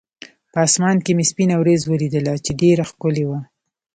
په اسمان کې مې سپینه ورېځ ولیدله، چې ډېره ښکلې وه.